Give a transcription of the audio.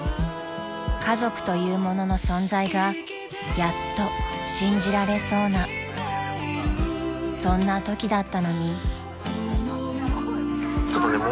［家族というものの存在がやっと信じられそうなそんなときだったのに］